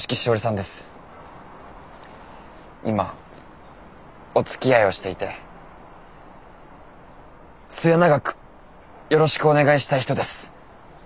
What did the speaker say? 今おつきあいをしていて末永くよろしくお願いしたい人です。